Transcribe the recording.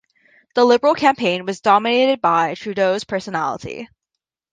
The Liberal campaign was dominated by Trudeau's personality.